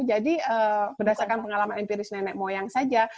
jadi berdasarkan pengalaman empiris nenek moyang saja